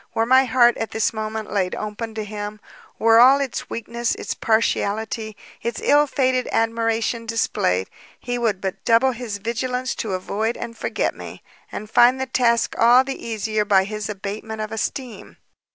were my heart at this moment laid open to him, were all its weakness, its partiality, its ill fated admiration displayed, he would but double his vigilance to avoid and forget me, and find the task all the easier by his abatement of esteem.